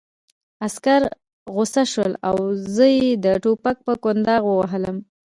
عسکر غوسه شول او زه یې د ټوپک په کونداغ ووهلم